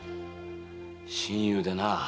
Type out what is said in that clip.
親友でな。